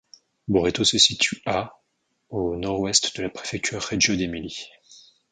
Boretto se situe à au nord-ouest de la préfecture Reggio d'Émilie.